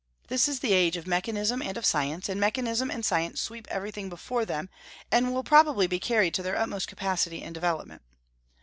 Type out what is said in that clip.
This is the age of mechanism and of science; and mechanism and science sweep everything before them, and will probably be carried to their utmost capacity and development.